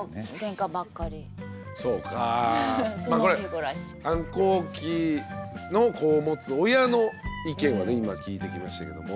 これ反抗期の子を持つ親の意見はね今聞いてきましたけれども。